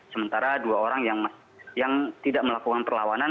sementara dua orang yang tidak melakukan perlawanan